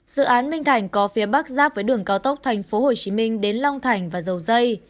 dự án minh thành có phía bắc giáp với đường cao tốc tp hcm đến long thành và dầu dây